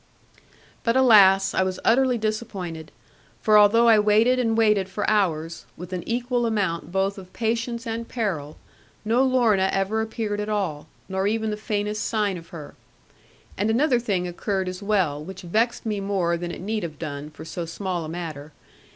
But alas, I was utterly disappointed; for although I waited and waited for hours, with an equal amount both of patience and peril, no Lorna ever appeared at all, nor even the faintest sign of her. And another thing occurred as well, which vexed me more than it need have done, for so small a matter.